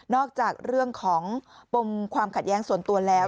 อกจากเรื่องของปมความขัดแย้งส่วนตัวแล้ว